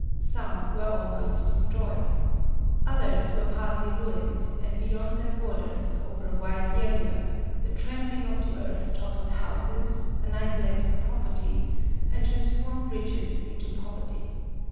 Some were almost destroyed. Others were partly ruined, and beyond their borders, over a wide area, the trembling of the earth toppled houses, annihilated property and transformed riches into poverty.